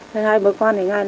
thế là hai bố con thì ngăn lên